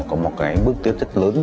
có một bước tiếp rất lớn